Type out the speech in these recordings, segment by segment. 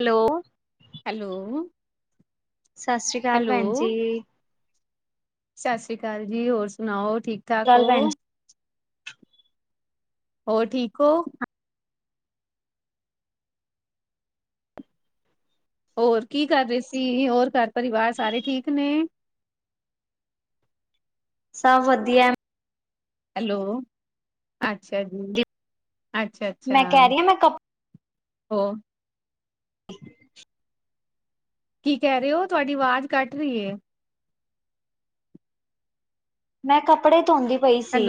Hello. Hello. ਸਤਿ ਸ੍ਰੀ ਅਕਾਲ ਭੈਣ ਜੀ। ਹੈਲੋ ਸਤਿ ਸ੍ਰੀ ਅਕਾਲ ਜੀ, ਹੋਰ ਸੁਣਾਓ ਸ਼੍ਰੀ ਠੀਕ-ਠਾਕ ਅਕਾਲ ਭੈਣ ਓ? ਜੀ, ਹੋਰ, ਠੀਕ ਓ? ਹੋਰ ਕੀ ਕਰ ਰਹੇ ਸੀ, ਹੋਰ ਘਰ-ਪਰਿਵਾਰ ਸਾਰੇ ਠੀਕ ਨੇ? ਸਭ ਵਧੀਆ। ਹੈਲੋ, ਅੱਛਾ ਜੀ। ਅੱਛਾ-ਅੱਛਾ, ਮੈਂ ਕਹਿ ਰਹੀ ਹਾਂ ਮੈਂ ਕੱਪ ਹੋ ਕੀ ਕਹਿ ਰਹੇ ਓ, ਤੁਹਾਡੀ ਅਵਾਜ਼ ਕੱਟ ਰਹੀ ਏ। ਮੈਂ ਕੱਪੜੇ ਧੋਂਦੀ ਪਈ ਸੀ।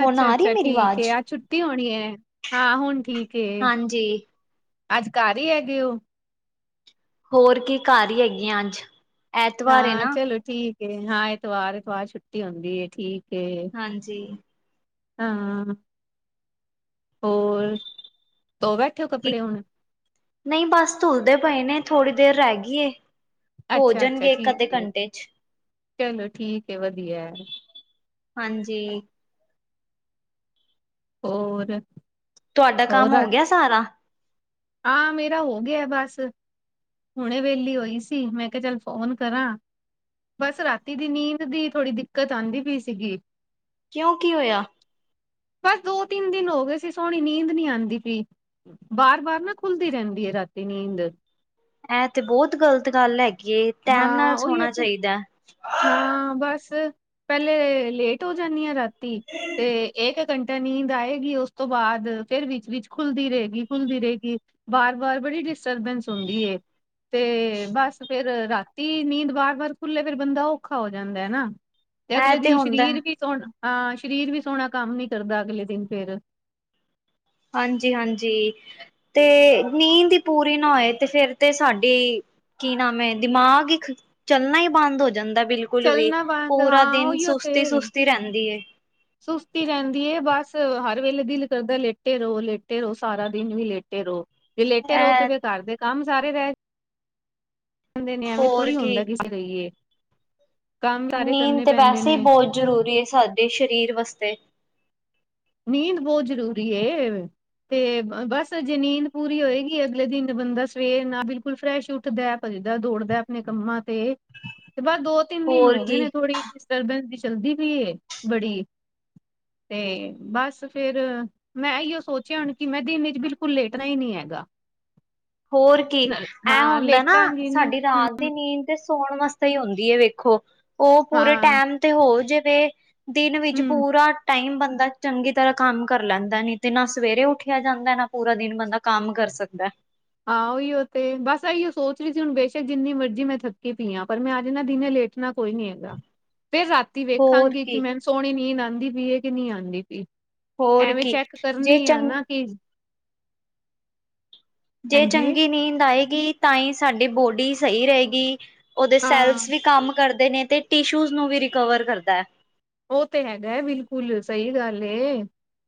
ਹੁਣ ਆ ਰਹੀ ਹੈ ਮੇਰੀ ਠੀਕ ਏ, ਆਵਾਜ਼? ਅੱਜ ਛੁੱਟੀ ਹੋਣੀ ਏ, ਹਾਂ ਹੁਣ ਠੀਕ ਏ। ਹਾਂਜੀ, ਅੱਜ ਘਰ ਈ ਹੈਗੇ ਓ? ਹੋਰ ਕੀ ਘਰ ਹੀ ਹੈਗੀ ਆਂ, ਅੱਜ। ਐਤਵਾਰ ਏ ਹਾਂ ਨਾ, ਚਲੋ ਠੀਕ ਏ, ਹਾਂ ਏਤਵਾਰ-ਏਤਵਾਰ ਛੁੱਟੀ ਹੁੰਦੀ ਏ, ਠੀਕ ਏ। ਹਾਂਜੀ। ਹਾਂ, ਹੋਰ, ਧੋ ਬੈਠੇ ਓ ਕੀ ਕੱਪੜੇ ਹੁਣ? ਨਹੀਂ ਬਸ ਧੁਲਦੇ ਪਏ ਨੇ, ਥੋੜੀ ਦੇਰ ਰਹਿ ਗਈਏ, ਹੋ ਅੱਛਾ ਅੱਛਾ ਜਾਣਗੇ ਠੀਕ ਇੱਕ-ਅੱਧੇ ਏ। ਘੰਟੇ'ਚ। ਚਲੋ ਠੀਕ ਏ, ਵਧੀਆ। ਹਾਂਜੀ। ਹੋਰ? ਤੁਹਾਡਾ ਕੰਮ ਹੋਰ ਹੋ ਗਿਆ ਸਾਰਾ? ਹਾਂ ਮੇਰਾ ਹੋ ਗਿਆ ਬਸ ਹੁਣੇ ਵਿਹਲੀ ਹੋਈ ਸੀ ਮੈਂ ਕਿਹਾ ਚੱਲ ਫੋਨ ਕਰਾਂ। ਬਸ ਰਾਤੀ ਦੀ ਨੀਂਦ ਦੀ ਥੋੜ੍ਹੀ ਦਿੱਕਤ ਆਦੀ ਪਈ ਸੀਗੀ। ਕਿਉਂ ਕੀ ਹੋਇਆ? ਬਸ ਦੋ ਤਿੰਨ ਦਿਨ ਹੋ ਗਏ ਸੀ ਸੋਹਣੀ ਨੀਂਦ ਨੀ ਆਂਦੀ ਪਈ। ਬਾਰ ਬਾਰ ਨਾ ਖੁੱਲਦੀ ਰਹਿੰਦੀ ਐ ਰਾਤੀ ਨੀਂਦ, ਐਂ ਤੇ ਬਹੁਤ ਗ਼ਲਤ ਗੱਲ ਹੈਗੀ ਏ। ਟੈਮ ਨਾਲ ਹਾਂ ਓਈਓ ਸੋਣਾ ਐਥੇ, ਚਾਹੀਦਾ, ਹਾਂ ਬਸ ਪਹਿਲੇ ਲੇਟ ਹੋ ਜਾਨੀ ਆ ਰਾਤੀ ਤੇ ਇਹ ਘੰਟਾ ਨੀਂਦ ਆਏਗੀ ਤੋਂ ਬਾਅਦ ਫੇਰ ਵਿੱਚ ਵਿੱਚ ਖੁੱਲਦੀ ਰਹੇਗੀ ਖੁੱਲਦੀ ਰਹੇਗੀ। ਵਾਰ ਵਾਰ ਬੜੀ ਡਿਸਟਰਬੈਂਸ ਹੁੰਦੀ ਏ। ਤੇ ਬਸ ਫਿਰ ਰਾਤੀ ਨੀਂਦ ਵਾਰ ਵਾਰ ਖੁੱਲੇ ਫਿਰ ਬੰਦਾ ਔਖਾ ਹੋ ਜਾਂਦਾ ਹਨਾ। ਤੇ ਇਹ ਅਗਲੇ ਦਿਨ ਹੁੰਦਾ ਸਰੀਰ ਵੀ ਸੋਹਣਾ ਹਾਂ ਸਰੀਰ ਵੀ ਸੋਹਣਾ ਕੰਮ ਨੀ ਕਰਦਾ ਅਗਲੇ ਦਿਨ ਫਿਰ। ਹਾਂਜੀ ਹਾਂਜੀ, ਤੇ ਨੀਂਦ ਈ ਪੂਰੀ ਨਾ ਹੋਏ ਤੇ ਫੇਰ ਤੇ ਸਾਡੀ ਕੀ ਨਾਮ ਐ ਦਿਮਾਗ ਈ ਚੱਲਣਾ ਹੀ ਬੰਦ ਹੋ ਜਾਂਦਾ ਬਿਲਕੁਲ ਬਿਲਕੁਲ ਵੀ ਚੱਲਣਾ ਬੰਦ ਪੂਰਾ ਹਾਂ ਦਿਨ ਉਹੀਓ ਤੇ ਸੁਸਤੀ-ਸੁਸਤੀ ਰਹਿੰਦੀ ਐ। ਸੁਸਤੀ ਰਹਿੰਦੀ ਏ ਬਸ ਹਰ ਵੇਲੇ ਦਿਲ ਕਰਦਾ ਲੇਟੇ ਰਹੋ, ਲੇਟੇ ਰਹੋ ਸਾਰਾ ਦਿਨ ਵੀ ਲੇਟੇ ਰਹੋ। ਲੇਟੇ ਰਹੋ ਤੇ ਐ ਫਿਰ ਘਰਦੇ ਕੰਮ ਸਾਰੇ ਰਹਿ ਕਦੇ ਨੇ ਐਵੇਂ ਹੋਰ ਥੋੜ੍ਹੀ ਕੀ ਹੁੰਦਾ ਕਿ [unintelligible] ਲਈਏ ਕੰਮ ਸਾਰੇ ਨੀਂਦ ਕਰਨੇ ਤੇ ਪੈਂਦੇ ਵੈਸੇ ਹੀ ਨੇ। ਬਹੁਤ ਜ਼ਰੂਰੀ ਐ ਸਾਡੇ ਸਰੀਰ ਵਾਸਤੇ, ਨੀਂਦ ਬਹੁਤ ਜ਼ਰੂਰੀ ਐ। ਤੇ ਬਸ ਜੇ ਨੀਂਦ ਪੂਰੀ ਹੋਏਗੀ ਅਗਲੇ ਦਿਨ ਬੰਦਾ ਸਵੇਰ ਨਾ ਬਿਲਕੁਲ ਫਰੈਸ਼ ਉੱਠਦਾ। ਭੱਜਦਾ ਦੌੜਦਾ ਆਪਣੇ ਕੰਮਾਂ ਤੇ, ਤੇ ਬਸ ਦੋ ਤਿੰਨ ਦਿਨ ਹੋਰ ਹੋ ਗਏ ਕੀ ਨੇ ਥੋੜੀ ਡਿਸਟਰਬੈਂਸ ਦੀ ਚਲਦੀ ਪਈ ਏ ਬੜੀ ਤੇ ਬਸ ਫਿਰ ਮੈਂ ਐਇਉ ਸੋਚਿਆ ਹੁਣ ਕਿ ਮੈਂ ਦਿਨ ਬਿਲਕੁਲ ਲੇਟਣਾ ਈ ਨੀ ਹੈਗਾ। [inaudible] ਹੋਰ ਕੀ ਨ- ਐ ਹਾਂ ਹੁੰਦਾ ਨਾ ਲੇਟਾਂਗੀ ਨੀ ਸਾਡੀ ਰਾਤ ਤੇ ਨੀਂਦ ਤੇ ਸੋਣ ਵਾਸਤੇ ਈ ਹੁੰਦੀ ਐ ਵੇਖੋ ਉਹ ਪੂਰੇ ਹਾਂ ਟਾਈਮ ਤੇ ਹੋ ਜਾਵੇ, ਦਿਨ ਵਿੱਚ ਹੂੰ ਪੂਰਾ ਟਾਈਮ ਬੰਦਾ ਚੰਗੀ ਤਰ੍ਹਾਂ ਕੰਮ ਕਰ ਲੈਂਦਾ ਨਹੀ ਤੇ ਨਾ ਸਵੇਰੇ ਉੱਠਿਆ ਜਾਂਦਾ ਨਾ ਪੂਰਾ ਦਿਨ ਬੰਦਾ ਕੰਮ ਕਰ ਸਕਦਾ। ਆਹ ਹੀ ਉਈਉ ਤੇ ਬਸ ਇਹੀਓ ਸੋਚ ਰੀ ਸੀ ਹੁਣ ਬੇਸ਼ੱਕ ਜਿੰਨੀ ਮਰਜ਼ੀ ਮੈਂ ਥੱਕੀ ਪੀ ਆ ਪਰ ਮੈਂ ਅੱਜ ਨਾ ਦਿਨੇ ਲੇਟ ਣਾ ਕੋਈ ਨੀ ਹੈਗਾ, ਫੇਰ ਰਾਤੀ ਹੋਰ ਵੇਖਾਂਗੇ ਕਿ ਕੀ ਮੈਂ ਸੋਹਣੀ ਨੀਂਦ ਆਂਦੀ ਪਈ ਐ ਕਿ ਨੀਂ ਆਂਦੀ ਪਈ ਹੋਰ ਐਵੇਂ ਕੀ ਚੈੱਕ ਜੇ ਕਰਨੀ ਆ ਚੰ ਨਾ ਕਿ ਜੇ ਹਾਂਜੀ ਚੰਗੀ ਨੀਂਦ ਆਏਗੀ ਤਾਂਈ ਸਾਡੀ ਬੋਡੀ ਸਈ ਰਹੇਗੀ। ਉਹਦੇ ਹਾਂ ਸੈਲਸ ਵੀ ਕੰਮ ਕਰਦੇ ਨੇ ਤੇ ਟਿਸ਼ੂਜ ਨੂੰ ਵੀ ਰਿਕਵਰ ਕਰਦਾ। ਉਹ ਤੇ ਹੈਗਾ ਬਿਲਕੁਲ ਸਹੀ ਗੱਲ ਏ।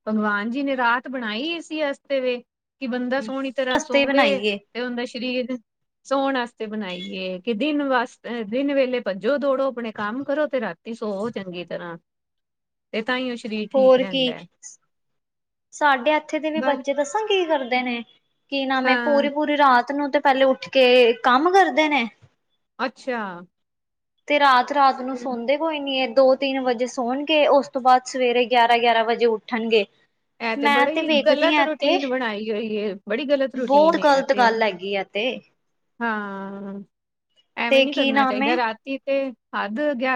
ਭਗਵਾਨ ਜੀ ਨੇ ਰਾਤ ਬਣਾਈ ਇਸੀ ਵਸਤੇ ਵੇ ਕਿ ਬੰਦਾ ਸੋਹਣੀ ਤਰ੍ਹਾਂ ਸਸਤੇ ਸੋਵੇ। ਬਣਾਈਏ ਤੇ ਉਂਦਾ ਸਰੀਰ ਸੌਣ ਵਾਸਤੇ ਬਣਾਈਏ ਕਿ ਦਿਨ ਵਾਸਤੇ ਦਿਨ ਵੇਲੇ ਭੱਜੋ ਦੌੜੋ ਆਪਣੇ ਕੰਮ ਕਰੋ ਤੇ ਰਾਤੀ ਤੇ ਸੋ ਚੰਗੀ ਤਰ੍ਹਾਂ, ਤੇ ਤਾਂਹੀ ਉਹ ਸਰੀਰ ਠੀਕ ਹੋਰ ਕੀ ਰਹਿੰਦਾ। ਸਾਡੇ ਐਥੇ ਦੇ ਵੀ ਬ ਬੱਚੇ ਦੱਸਾਂ ਕੀ ਕਰਦੇ ਨੇ। ਕੀ ਨਾਮ ਏ ਹਾਂ ਪੂਰੀ ਪੂਰੀ ਰਾਤ ਨੂੰ ਤੇ ਪਹਿਲੇ ਉੱਠ ਕੇ ਕੰਮ ਕਰਦੇ ਨੇ, ਅੱਛਿਆ, ਤੇ ਰਾਤ-ਰਾਤ ਨੂੰ ਸੌਦੇ ਕੋਈ ਨੀ ਐ ਦੋ ਤਿੰਨ ਵਜੇ ਸੌਣਗੇ ਉਸ ਤੋ ਬਾਦ ਸਵੇਰੇ ਗਿਆਰਾਂ-ਗਿਆਰਾਂ ਵਜੇ ਉੱਠਣਗੇ। ਐ ਤੇ ਮੈਂ ਬੜੀ ਵੇਖਦੀ ਗ਼ਲਤ ਆ ਇੱਥੇ ਰੂਟੀਨ ਬਣਾਈ ਹੋਈ ਏ ਬੜੀ ਗ਼ਲਤ ਬਹੁਤ ਰੂਟੀਨ ਏ ਐ ਗ਼ਲਤ ਤੇ ਗੱਲ ਹੈਗੀ ਆ ਤੇ ਹਾਂ ਐਵੇਂ ਤੇ ਨੀ ਕੀ ਕਰਨਾ ਨਾਮ ਏ ਚਾਈਦਾ ਰਾਤੀ ਤੇ ਹੱਦ ਗਿਆ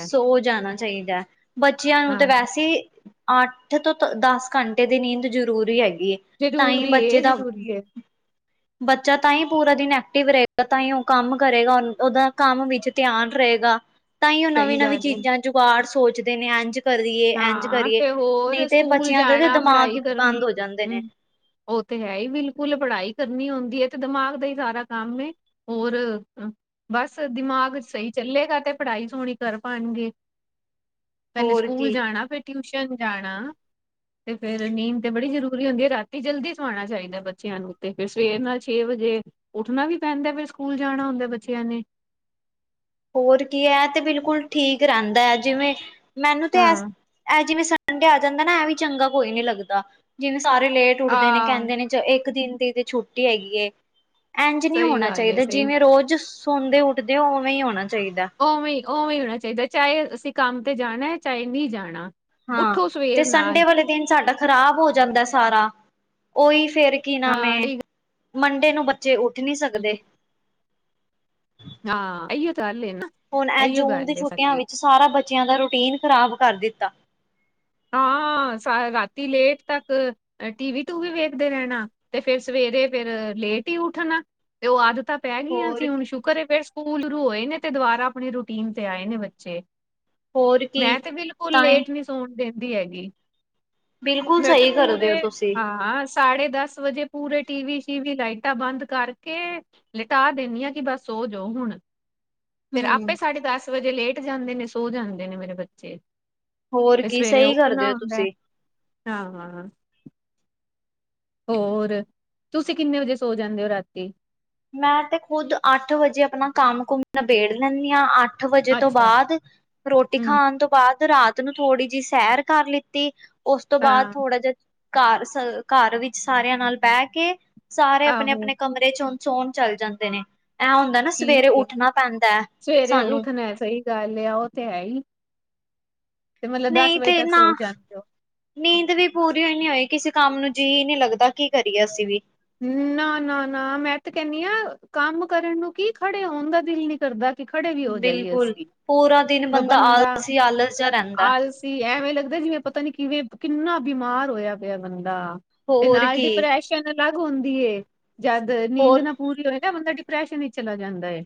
ਸੋ ਜਾਣਾ ਚਾਈਦੈ ਬੱਚਿਆਂ ਨੂੰ ਤਾਂ ਹਾਂ। ਵੈਸੇ ਅੱਠ ਤੋਂ-ਤੋਂ ਦਸ ਘੰਟੇ ਦੀ ਨੀਂਦ ਜ਼ਰੂਰੀ ਹੈਗੀ ਏ। ਤਾਂਈ ਜ਼ਰੂਰੀ ਬੱਚੇ ਏ ਦਾ ਜ਼ਰੂਰੀ ਏ ਬੱਚਾ ਤਾਂ ਈ ਪੂਰਾ ਦਿਨ ਐਕਟਿਵ ਰਏਗਾ ਤਾਂ ਹੀ ਓ ਕੰਮ ਕਰੇਗਾ ਉਦਾ ਕੰਮ ਵਿੱਚ ਧਿਆਨ ਰਏਗਾ ਤਾਂਈ ਓ ਸਹੀ ਨਵੀਂ-ਨਵੀਂ ਗੱਲ ਏ। ਚੀਜ਼ਾਂ ਜੁਗਾੜ ਸੋਚਦੇ ਨੇ ਇੰਜ ਕਰੀਏ ਇੰਝ ਹਾਂ ਕਰੀਏ ਤੇ ਨਈ ਹੋਰ ਤੇ ਸਕੂਲ ਬੱਚਿਆਂ ਦੇ ਜਾਣਾ ਦਿਮਾਗ ਈ ਬੰਦ ਹੋ ਜਾਂਦੇ ਨੇ। ਓ ਤੇ ਹੈ ਈ ਬਿਲਕੁਲ ਪੜ੍ਹਾਈ ਕਰਨੀ ਹੁੰਦੀ ਏ ਤੇ ਦਿਮਾਗ ਦਾ ਈ ਸਾਰਾ ਕੰਮ ਏ। ਹੋਰ ਬਸ ਦਿਮਾਗ ਸਈ ਚੱਲੇਗਾ ਤੇ ਪੜ੍ਹਾਈ ਸੋਣੀ ਕਰ ਪਾਣਗੇ। ਹੋਰ ਕੀ ਹਨਾ ਫਿਰ ਟਿਊਸ਼ਨ ਜਾਣਾ। ਤੇ ਫਿਰ ਨੀਂਦ ਤੇ ਬੜੀ ਜ਼ਰੂਰੀ ਹੁੰਦੀ ਏ ਰਾਤੀ ਜਲਦੀ ਸਵਾਣਾ ਚਾਈਦਾ ਬੱਚਿਆਂ ਨੂੰ ਤੇ ਫਿਰ ਸਵੇਰ ਨਾਲ ਛੇ ਵਜੇ ਉੱਠਣਾ ਵੀ ਪੈਂਦਾ ਫਿਰ ਸਕੂਲ ਹੁੰਦਾ ਬੱਚਿਆਂ ਨੇ। ਹੋਰ ਕੀ ਐ ਤੇ ਬਿਲਕੁਲ ਠੀਕ ਰੈਂਦੈ ਜਿਵੇਂ ਮੈਨੂੰ ਤੇ ਐਸ ਹਾਂ ਐ ਅ ਜਿਵੇਂ ਸਾ ਸੰਡੇ ਆ ਜਾਂਦਾ ਨਾ ਐ ਵੀ ਚੰਗਾ ਕੋਈ ਨੀ ਲੱਗਦਾ ਜਿਵੇਂ ਸਾਰੇ ਲੇਟ ਉਠਦੇ ਨੇ ਆਹ ਕੈਂਦੇ ਨੇ ਚਲੋ ਇੱਕ ਦਿਨ ਦੀ ਤੇ ਛੁੱਟੀ ਹੈਗੀ ਏ। ਇੰਝ ਨਈ ਸਹੀ ਹੋਣਾ ਗੱਲ ਏ ਚਾਈਦਾ ਸਹੀ ਜਿਵੇਂ ਰੋਜ਼ ਸੋਂ ਦੇ ਉੱਠਦੇ ਉਵੇਂ ਹੋਣਾ ਚਾਈਦਾ। ਉਵੇਂ-ਉਵੇਂ ਈ ਹੋਣਾ ਚਾਈਦਾ ਚਾਹੇ ਅਸੀਂ ਕੰਮ ਤੇ ਜਾਣਾ ਚਾਹੇ ਨਈ ਜਾਣਾ। ਹਾਂ ਉੱਠੋ ਤੇ ਸਵੇਰ ਨਾਲ ਸੰਡੇ ਵਾਲੇ ਦਿਨ ਸਾਡਾ ਖ਼ਰਾਬ ਹੋ ਜਾਂਦਾ ਸਾਰਾ ਉਹੀ ਫੇਰ ਕੀ ਨਾਮ ਹਾਂ ਏ ਸਹੀ ਮੰਡੇ ਨੂੰ ਬੱਚੇ ਉੱਠ ਨਈ ਗੱਲ ਸਕਦੇ। ਏ। ਹਾਂ ਅਈਓ ਤਾਂ ਅੱਲ ਏ ਨਾ ਹੁਣ ਐ ਇਹੀਓ ਜੂਨ ਦੀ ਗੱਲ ਏ ਛੁੱਟੀਆਂ ਸਾਡੀ ਵਿੱਚ ਸਾਰਾ ਬੱਚਿਆਂ ਦਾ ਰੂਟੀਨ ਖ਼ਰਾਬ ਕਰ ਦਿੱਤਾ। ਹਾਂ ਸਾ ਰਾਤੀ ਲੇਟ ਤੱਕ ਤੇ ਟੀਵੀ-ਟੂਵੀ ਵੇਖਦੇ ਰੈਣਾ ਤੇ ਫਿਰ ਸਵੇਰੇ ਫਿਰ ਲੇਟ ਈ ਉੱਠਣਾ ਤੇ ਓ ਆਦਤਾਂ ਪੈ ਗਈਆਂ ਸੀ ਹੋਰ ਹੁਣ ਸ਼ੁਕਰ ਏ ਫਿਰ ਸਕੂਲ ਰੋਏ ਨੇ ਤੇ ਦੁਬਾਰਾ ਆਪਣੇ ਰੂਟੀਨ ਤੇ ਆਏ ਨੇ‌ ਬੱਚੇ ਹੋਰ ਕੀ ਮੈਂ ਤੇ ਬਿਲਕੁਲ ਤਾਂਹੀ ਲੇਟ ਨੀ ਸੌਣ ਦੇਂਦੀ ਹੈਗੀ। ਬਿਲਕੁਲ ਮੈਂ ਤੇ ਸਹੀ ਕਰਦੇ ਪੂਰੇ ਹੋ ਤੁਸੀਂ ਹਾਂ ਸ ਸਾਢੇ ਦਸ ਵਜੇ ਪੂਰੇ ਟੀਵੀ-ਸ਼ੀਵੀ ਲਾਈਟਾਂ ਬੰਦ ਕਰਕੇ ਲਿਟਾ ਦੇਨੀ ਆ ਕਿ ਬਸ ਸੋ ਜੋ ਹੁਣ ਫਿਰ ਆਪੇ ਹੂੰ ਸਾਢੇ ਦਸ ਵਜੇ ਲੇਟ ਜਾਂਦੇ ਨੇ ਸੋ ਜਾਂਦੇ ਨੇ ਮੇਰੇ ਬੱਚੇ ਹੋਰ ਕੀ ਸਈ ਕਰਦੇ ਹੋ ਤੁਸੀਂ ਹਾਂ-ਹਾਂ-ਹਾਂ ਹੋਰ ਤੁਸੀਂ ਕਿੰਨੇ ਵਜੇ ਸੋ ਜਾਂਦੇ ਹੋ ਰਾਤੀ ਮੈਂ ਤੇ ਖੁੱਦ ਅੱਠ ਵਜੇ ਆਪਣਾ ਕੰਮ-ਕੁਮ ਨਿਬੇੜ ਲੈਂਨੀ ਆ ਅੱ ਅੱਠ ਵਜੇ ਤੋਂ ਅੱਛਾ ਬਾਦ ਰੋਟੀ ਹਮ ਖਾਣ ਤੋਂ ਬਾਦ ਰਾਤ ਨੂੰ ਥੋੜ੍ਹੀ ਜੀ ਸੈਰ ਕਰ ਲਿੱਤੀ‌ ਉਸ ਤੋਂ ਬਾਦ ਹਾਂ ਥੋੜਾ ਜਿ ਘਰ-ਘਰ ਵਿੱਚ ਸਾਰਿਆਂ ਨਾਲ ਬੈ ਕੇ ਸਾਰੇ ਆਹੋ ਆਪਣੇ-ਆਪਣੇ ਕਮਰੇ 'ਚੋਂ ਸੋਣ ਚੱਲ ਜਾਂਦੇ ਨੇ ਐ ਹੁੰਦਾ ਨਾ ਠੀਕ ਸਵੇਰੇ ਉੱਠਣਾ ਪੈਂਦਾ ਐ ਸਾਨੂੰ ਸਈ ਗੱਲ ਐ ਓ ਤੇ ਹੈ ਈ ਤੇ ਮਤਲਬ ਦਸ ਨਹੀਂ ਵਜੇ ਤੇ ਤੱਕ ਨਾ ਸੋ ਜਾਂਦੇ ਓ। ਨੀਂਦ ਵੀ ਪੂਰੀਓ ਨੀ ਹੋਈ ਕਿਸੇ ਕੰਮ ਜੀ ਨੀ ਲੱਗਦਾ ਕੀ ਕਰੀਏ ਅਸੀਂ ਵੀ ਨਾ-ਨਾ-ਨਾ ਮੈਂ ਤੇ ਕੈਨੀ ਆ‌ ਕੰਮ ਕਰਨ ਨੂੰ ਕੀ ਖੜੇ ਹੋਣ ਦਾ ਦਿਲ ਨੀ ਕਰਦਾ। ਖੜੇ ਵੀ ਹੋ ਜਾਈਏ ਬਿਲਕੁਲ ਅਸੀਂ ਪੂਰਾ ਦਿਨ ਵ ਬੰਦਾ ਆਲਸੀ ਆਲਸ ਜਾ ਰਹਿੰਦਾ ਆਲਸ ਕੀ ਐਵੇਂ ਲੱਗਦਾ ਜਿਵੇਂ ਪਤਾ ਨੀ ਕਿਵੇਂ ਕਿੰਨਾ ਬਿਮਾਰ ਹੋਇਆ ਪਿਆ। ਬੰਦਾ ਤੇ ਹੋਰ ਨਾਲ ਕੀ ਡਿਪਰੈਸ਼ਨ ਅਲੱਗ ਹੁੰਦੀ ਏ। ਜਦ ਨੀਂਦ ਹੋਰ ਨਾ ਪੂਰੀ ਹੋਏ ਨਾ ਬੰਦਾ ਦ ਪ੍ਰੈਸ਼ਨ ਵਿਚ ਚਲਾ ਜਾਂਦਾ ਏ।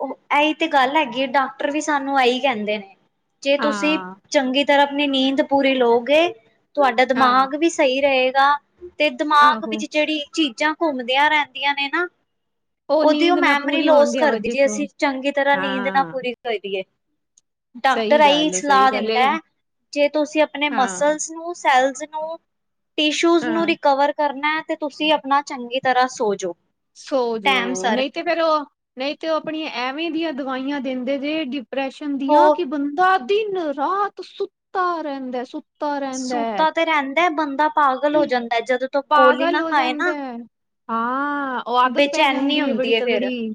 ਉਹ ਇਹੀ ਤੇ ਗੱਲ ਹੈਗੀ ਐ ਡਾਕਟਰ ਵੀ ਸਾਨੂੰ ਇਹੀ ਕਹਿੰਦੇ ਨੇ ਜੇ ਤੁਸੀਂ ਹਾਂ ਚੰਗੀ ਤਰ੍ਹਾਂ ਆਪਣੀ ਨੀਂਦ ਪੂਰੀ ਲਓਗੇ ਤੁਹਾਡਾ ਹਾਂ ਦਿਮਾਗ ਵੀ ਸਹੀ ਰਹੇਗਾ। ਤੇ ਦਿਮਾਗ ਆਹੋ ਵਿੱਚ ਜਿਹੜੀ ਚੀਜ਼ਾਂ ਘੁੰਮਦੀਆਂ ਰਹਿੰਦੀਆਂ ਨੇ ਨਾ ਉਹਦੀ ਉਹ ਨੀਂਦ ਨਾ ਮੈਮਰੀ ਪੂਰੀ ਹੋਣ ਲੋਸ ਦੀ ਕਰਦੀ ਵਜ੍ਹਾ ਜੇ ਅਸੀਂ ਤੋਂ ਚੰਗੀ ਤਰ੍ਹਾਂ ਨੀਂਦ ਨਾ ਹਾਂ ਪੂਰੀ ਕਰੀਏ। ਸਹੀ ਡਾਕਟਰ ਆਈ ਗੱਲ ਏ ਸਹੀ ਸਲਾਹ ਗੱਲ ਏ ਦਿੰਦਾ ਜੇ ਤੁਸੀਂ ਆਪਣੇ ਹਾਂ ਮਸਲਸ ਨੂੰ ਸੈਲਜ਼ ਨੂੰ ਟਿਸ਼ੂਜ਼ ਹਾਂ ਨੂੰ ਰਿਕਵਰ ਕਰਨਾ ਤੇ ਤੁਸੀਂ ਆਪਣਾ ਚੰਗੀ ਤਰ੍ਹਾਂ ਸੋਜੋ। ਸੋਜੋ ਨਈ ਤੇ ਤੇ ਫੇਰ ਉਹ ਨਈ ਤੇ ਉਹ ਆਪਣੀਆਂ ਐਵੇਂ ਦੀਆਂ ਦਵਾਈਆਂ ਦਿੰਦੇ ਦੇ ਡਿਪਰੈਸ਼ ਸ਼ਨ ਦੀਆ ਹੋ ਕਿ ਬੰਦਾ ਦਿਨ-ਰਾਤ ਸੁੱਤਾ ਰਹਿੰਦਾ ਸੁ ਸੂਤਾ ਤੇ ਰਹਿੰਦਾ ਬੰਦਾ ਪਾਗਲ ਹੋ ਤੇ ਜਾਂਦਾ ਜਦੋਂ ਤੱਕ ਗੋਲੀ ਪਾਗਲ ਨਾ ਹੋ ਖਾਏ ਜਾਂਦਾ। ਨਾ ਹਾਂ ਉਹ ਆਦਤ ਪੈ ਬੇਚੈਨੀ ਜਾਂਦੀ ਹੈ ਬੜੀ ਹੁੰਦੀ ਫੇਰ ਤਗੜੀ।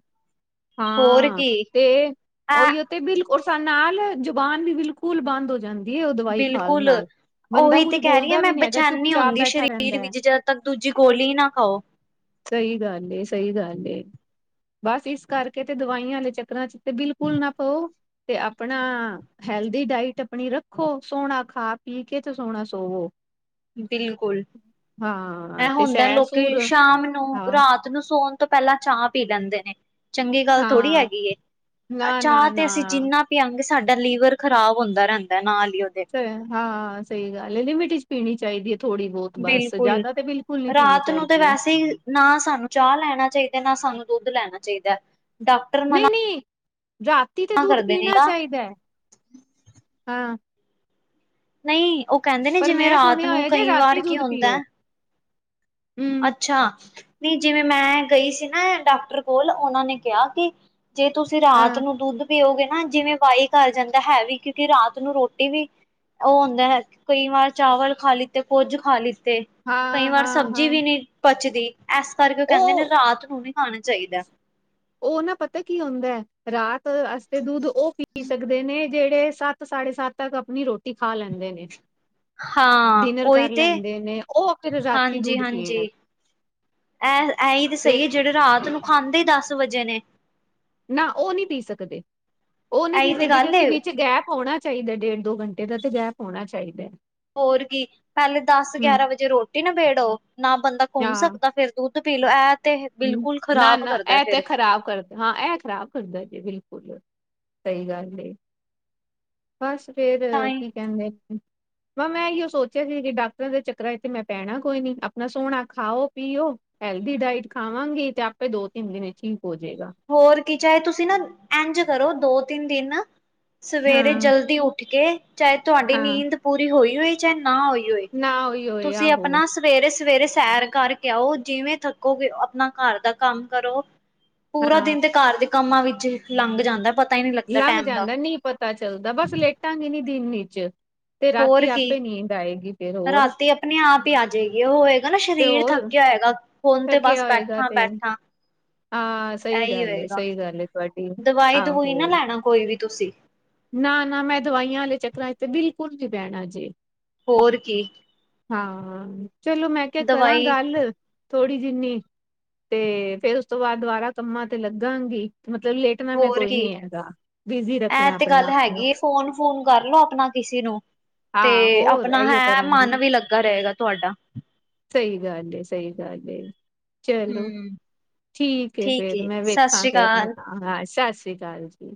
ਹੋਰ ਹਾਂ ਕੀ ਤੇ, ਐ ਉਹੀਉ ਤੇ ਬਿਲਕੁਲ ਉਸਾ ਨਾਲ ਜੁਬਾਨ ਵੀ ਬਿਲਕੁਲ ਬੰਦ ਹੋ ਜਾਦ ਨੀ ਉਹ ਦਵਾਈ ਖਾਣ ਬਿਲਕੁਲ ਨਾਲ ਬੰਦਾ ਉਹੀ ਤੇ ਕੁੱਝ ਕਹਿ ਰਹੀ ਹਾਂ ਬੋਲਦਾ ਵੀ ਨੀ ਹੈਗਾ ਚੁੱਪ-ਚਾਪ ਬੈਠਾ ਰਹਿੰਦਾ। ਤੱਦ ਦੂਜੀ ਗੋਲੀ ਨਾ ਖਾਓ। ਸਹੀ ਗੱਲ ਏ, ਸਹੀ ਗੱਲ ਏ, ਬਸ ਇਸ ਕਰਕੇ ਤੇ ਦਵਾਈਆਂ ਦੇ ਚੱਕਰਾਂ ਚ ਤੇ ਬਿਲਕੁਲ ਨਾ ਪੋ ਤੇ ਆਪਣਾ ਹੈਲਦੀ ਡਾਇਟ ਆਪਣੀ ਰੱਖੋ ਸੋਹਣਾ ਖਾ ਪੀ ਕੇ ਤੇ ਸੋਹਣਾ ਸੋਵੋ। ਬਿਲਕੁਲ, ਐ ਹਾਂ ਤੇ ਹੁੰਦਾ ਸੈਰ ਲੋਕੀ ਸੂਰ ਸ਼ਾਮ ਨੂੰ ਹਾਂ ਰਾਤ ਨੂੰ ਸੌਣ ਤੋਂ ਪਹਿਲਾਂ ਚਾਹ ਪੀ ਲੈਂਦੇ ਨੇ ਚੰਗੀ ਗੱਲ ਥੋੜ੍ਹੀ ਹਾਂ ਹੈਗੀ ਏ, ਨਾ ਅ ਨਾ ਚਾਹ ਤੇ ਨਾ ਅਸੀਂ ਜਿੰਨਾ ਪੀਆ ਗੇ ਸਾਡਾ ਲੀਵਰ ਖ਼ਰਾਬ ਹੁੰਦਾ ਰਹਿੰਦਾ ਨਾਲ ਈ ਉਹਦੇ ਸ ਹਾਂ ਸਹੀ ਗੱਲ ਐ, ਲਿਮਿਟ ਚ ਪੀਣੀ ਚਾਈਦੀ ਐ ਥੋੜ੍ਹੀ। ਬਹੁਤ ਬਸ ਬਿਲਕੁਲ ਜਿਆਦਾ ਤੇ ਬਿਲਕੁਲ ਨੀ ਪੀਣੀ ਰਾਤ ਨੂੰ ਤੇ ਚਾਈਦੀ। ਵੈਸੇ ਹੀ ਨਾ ਸਾਨੂੰ ਚਾਹ ਲੈਣਾ ਚਾਹੀਦਾ ਨਾ ਸਾਨੂੰ ਦੁੱਧ ਲੈਣਾ ਚਾਈਦਾ। ਨੀ-ਨੀ ਰਾਤੀ ਤੇ ਦੁੱਧ ਕਰਦੇ ਨੇ ਪੀਣਾ ਤਾਂ ਚਾਈਦਾ, ਹਾਂ। ਨਈ ਉਹ ਕਹਿੰਦੇ ਨੇ ਪਰ ਜਿਵੇਂ ਮੈਂ ਰਾਤ ਸੁਣਿਆ ਨੂੰ ਹੋਇਆ ਜੇ ਕਈ ਵਾਰ ਰਾਤੀ ਕੀ ਦੁੱਧ ਹੁੰਦਾ ਪੀਓ ਐ ਹਮ ਅੱਛਾ, ਨਈ ਜਿਵੇਂ ਮੈਂ ਗਈ ਸੀ ਨਾ ਡਾਕਟਰ ਕੋਲ ਉਹਨਾਂ ਨੇ ਕਿਹਾ ਕਿ ਜੇ ਤੁਸੀਂ ਰਾਤ ਹਾਂ ਨੂੰ ਦੁੱਧ ਪੀਉਗੇ ਨਾ ਜਿਵੇਂ ਵਾਈ ਕਰ ਜਾਂਦਾ ਐ ਹੈ ਵੀ, ਕਿਉਂਕਿ ਰਾਤ ਨੂੰ ਰੋਟੀ ਵੀ ਉਹ ਹੁੰਦਾ ਐ, ਕਈ ਵਾਰ ਚਾਵਲ ਖਾ ਲਿੱਤੇ ਕੁੱਝ ਖਾ ਲਿੱਤੇ ਕਈ ਹਾਂ ਵਾਰ ਹਾਂ ਸਬਜ਼ੀ ਹਾਂ ਵੀ ਨਈ ਪਚਦੀ ਇਸ ਕਰਕੇ ਉਹ ਕਹਿੰਦੇ ਨੇ ਰਾਤ ਨੂੰ ਨੀ ਖਾਣਾ ਚਾਈਦਾ। ਉਹ ਨਾ ਪਤਾ ਕੀ ਹੁੰਦਾ ਐ, ਰਾਤ ਆਸ ਤੇ ਦੁੱਧ ਉਹ ਪੀ ਸਕਦੇ ਨੇ ਜਿਹੜੇ ਸੱਤ-ਸਾਢੇ ਸੱਤ ਤੱਕ ਆਪਣੀ ਰੋਟੀ ਖਾ ਲੈਂਦੇ ਨੇ ਹਾਂ ਡਿਨਰ ਉਹੀ ਕਰ ਤੇ ਲੈਂਦੇ ਨੇ ਉਹ ਫਿਰ ਰਾਤੀ ਦੁੱਧ ਪੀਣ। ਐਹ ਇਹੀ ਤੇ ਸਹੀ ਐ, ਜਿਹੜੇ ਰਾਤ ਨੂੰ ਖਾਂਦੇ ਹੀ ਦਸ ਵਜੇ ਨੇ ਨਾ ਉਹ ਨੀ ਪੀ ਸਕਦੇ, ਉਹ ਨੀ ਇਹੀ ਪੀ ਤੇ ਸਕਦੇ ਗੱਲ ਏ ਕਿਉਂਕਿ ਵਿੱਚ ਗੈਪ ਆਉਣਾ ਚਾਈਦਾ ਡੇਢ-ਦੋ ਘੰਟੇ ਦਾ ਤੇ ਗੈਪ ਹੋਣਾ ਚਾਈਦਾ। ਹੋਰ ਕੀ ਪਹਿਲੇ ਦਸ-ਗਿਆਰਾਂ ਵਜੇ ਰੋਟੀ ਨਿਬੇੜੋ ਨਾ ਬੰਦਾ ਘੁੰਮ ਹਾਂ ਸਕਦਾ ਫਿਰ ਦੁੱਧ ਪੀ ਲੋ ਐ ਹਮ ਨਾ- ਨਾ ਐ ਤੇ ਖ਼ਰਾਬ ਕਰ ਹਾਂ ਐ ਖ਼ਰਾਬ ਕਰਦਾ ਜੇ ਬਿਲਕੁਲ, ਸਹੀ ਗੱਲ ਏ। ਬਸ ਫੇਰ ਤਾਂ ਹੀ ਕੀ ਕਹਿੰਦੇ ਨਾ ਮੈਂ ਇਓ ਸੋਚਿਆ ਸੀ ਕਿ ਡਾਕਟਰਾਂ ਦੇ ਚੱਕਰਾਂ 'ਚ ਤੇ ਮੈਂ ਪੈਨਾ ਕੋਈ ਨੀ ਆਪਣਾ ਸੋਹਨਾ ਖਾਓ-ਪੀਓ, ਹੈਲਦੀ ਡਾਇਟ ਖਾਵਾਂਗੀ ਤੇ ਆਪੇ ਦੋ ਤਿੰਨ-ਦਿਨ 'ਚ ਠੀਕ ਹੋ ਜਾਏਗਾ। ਹੋਰ ਕੀ ਚਾਹੇ ਤੁਸੀਂ ਨਾ ਏੰਝ ਕਰੋ ਦੋ ਤਿੰਨ ਦਿਨ ਸਵੇਰੇ ਹਾਂ ਜਲਦੀ ਉੱਠ ਕੇ ਚਾਏ ਤੁਹਾਡੀ ਹਾਂ ਨੀਂਦ ਪੂਰੀ ਹੋਈ ਹੋਏ, ਚਾਹੇ ਨਾ ਹੋਈ ਹੋਏ, ਨਾ ਉਹੀ ਹੋਏ ਤੁਸੀਂ ਆਹੋ ਆਪਨਾ ਸ ਸਵੇਰੇ-ਸਵੇਰੇ ਸੈਰ ਕਰਕੇ ਆਓ, ਜਿਵੇਂ ਥੱਕੋਗੇ ਅਪਨਾ ਘਰ ਦਾ ਕੰਮ ਕਰੋ। ਪੂਰਾ ਹਾਂ ਦਿਨ ਤੇ ਘਰ ਦੇ ਕੰਮਾਂ ਵਿੱਚ ਲੰਘ ਜਾਂਦਾ ਪ ਲੰਘ ਜਾਂਦਾ ਨਹੀਂ ਪਤਾ ਚਲਦਾ ਬਸ ਲੇਟਾਂਗੇ ਨਹੀਂ ਦਿਨ ਇਚ ਤੇ ਹੋਰ ਰਾਤੀ ਆਪੇ ਨੀਂਦ ਆਏਗੀ ਫਿਰ ਹੋਰ। ਆਪਨੇ ਆਪ ਈ ਆ ਜਾਏਗੀ, ਉਹ ਹੋਏਗਾ ਨਾ ਤੇ ਸਰੀਰ ਹੋਰ ਥੱਕਿਆ ਹੋਏਗਾ। ਹੁਨ ਤੇ ਬਸ ਥੱਕਿਆ ਹੋਏਗਾ ਤੇ ਬੈਠਾਂ-ਬੈਠਾਂ ਹਾਂ ਸਹੀ ਇਹੀ ਗੱਲ ਏ ਹੋਏਗਾ, ਸਹੀ ਗੱਲ ਏ ਤੁਹਾਡੀ ਦਵਾਈ-ਦਵੂਈ ਨਾ ਲੈਣਾ ਕੋਈ ਵੀ ਤੁਸੀਂ। ਨਾ-ਨਾ ਮੈਂ ਦਵਾਈਆਂ ਆਲੇ ਚੱਕਰਾਂ 'ਚ ਤਾਂ ਬਿਲਕੁਲ ਨੀ ਪੈਨਾ ਜੇ ਹੋਰ ਕੀ। ਹਾਂ, ਚਲੋ ਮੈਂ ਕਿਆ ਕਰਾਂ ਦਵਾਈ ਗੱਲ ਥੋੜ੍ਹੀ ਜਿੰਨੀ, ਤੇ ਫੇਰ ਉਸ ਤੋਂ ਬਾਅਦ ਦੁਬਾਰਾ ਕੰਮਾਂ ਤੇ ਲੱਗਾਂਗੀ ਮਤਲਬ ਲੇ ਹੋਰ ਕੀ, ਐ ਤੇ ਆਪਣੇ ਗੱਲ ਆਪ ਨੂੰ ਹੈਗੀ ਏ ਫੋਨ-ਫੋਨ ਕਰਲੋ ਅਪਣਾ ਕਿਸੀ ਨੂੰ। ਹਾਂ ਤੇ ਹੋਰ ਆਪਣਾ ਇਹੀਓ ਹੈਂਅ ਕਰਾਂਗੀ ਮੱਨ ਵੀ ਲੱਗਾ ਰਏਗਾ ਤੁਹਾਡਾ। ਸਹੀ ਗੱਲ ਏ-ਸਹੀ ਗੱਲ ਏ। ਹੂੰ ਚਲੋ ਠੀਕ ਏ ਫਿਰ, ਮੈਂ ਵੇਖਾਂ ਫਿਰ ਆਪਣੇ ਹਾਂ-ਸਾਸਰੀ ਕਾਲ ਜੀ